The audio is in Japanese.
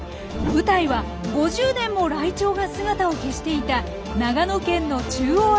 舞台は５０年もライチョウが姿を消していた長野県の中央アルプス。